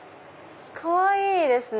かわいいですね！